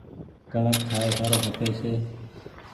ڪڻڪ کآئي سارو کپي ڇي۔